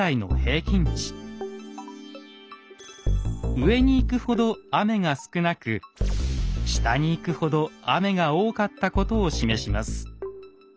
上に行くほど雨が少なく下に行くほど雨が多かったことを示します。